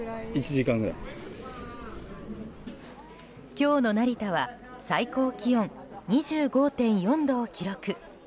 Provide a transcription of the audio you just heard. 今日の成田は最高気温２５．４度を記録。